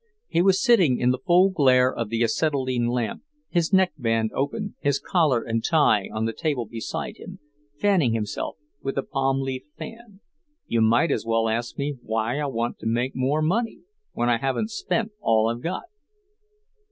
He was sitting in the full glare of the acetylene lamp, his neckband open, his collar and tie on the table beside him, fanning himself with a palm leaf fan. "You might as well ask me why I want to make more money, when I haven't spent all I've got."